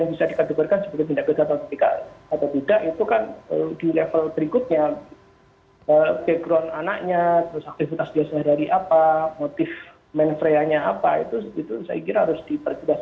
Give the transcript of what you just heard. boleh melakukan tindakan diskresi untuk menetapkan seseorang itu tersangka atau tidak